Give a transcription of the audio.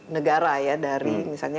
negara ya dari misalnya